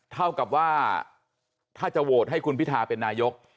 เท่ากับว่าถ้าจะโหวตให้คุณพิทาเป็นนายก